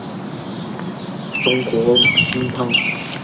梅尔赫特姆。